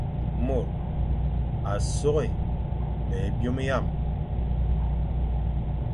Môr a soghé me é byôm hyam,